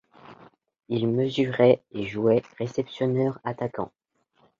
Il mesurait et jouait réceptionneur-attaquant.